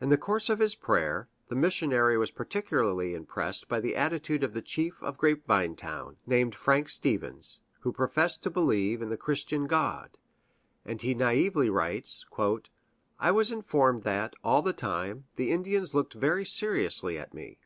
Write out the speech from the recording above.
In the course of his prayer, the missionary was particularly impressed by the attitude of the chief of Grape Vine Town, named Frank Stephens, who professed to believe in the Christian God; and he naively writes, "I was informed that, all the time, the Indians looked very seriously at me."